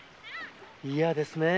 嫌ですねえ。